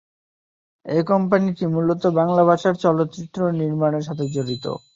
এই কোম্পানিটি মূলত বাংলা ভাষার চলচ্চিত্র নির্মাণের সাথে জড়িত।